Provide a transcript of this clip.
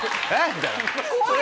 みたいな。